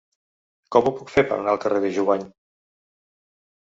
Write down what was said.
Com ho puc fer per anar al carrer de Jubany?